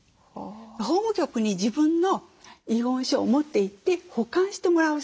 法務局に自分の遺言書を持っていって保管してもらう制度。